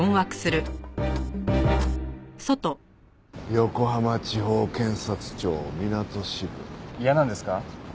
「横浜地方検察庁みなと支部」嫌なんですか？